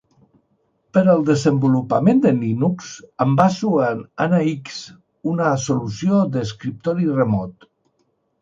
Per al desenvolupament de Linux, em baso en NX, una solució d'escriptori remot.